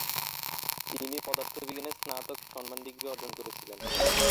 তিনি পদার্থবিজ্ঞানে স্নাতক সম্মান ডিগ্রী অর্জন করেছিলেন।